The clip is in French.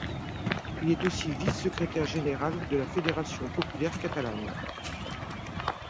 Il est aussi vice-secrétaire général de la fédération populaire catalane.